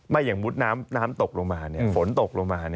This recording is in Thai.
อย่างมุดน้ำตกลงมาฝนตกลงมา